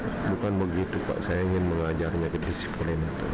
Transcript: bukan begitu pak saya ingin mengajarnya ke disiplin